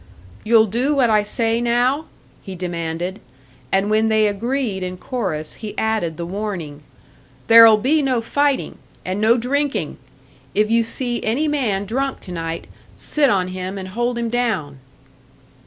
"You'll do what I say, now?" he demanded; and when they agreed in chorus, he added the warning: "There'll be no fighting! And no drinking! If you see any man drunk to night, sit on him and hold him down!"